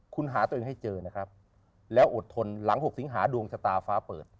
คุณหาตัวเองให้เจอนะครับแล้วอดทนหลัง๖สิงหาดวงชะตาฟ้าเปิด